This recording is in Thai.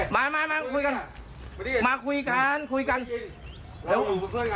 มามามาคุยกันคุยกัน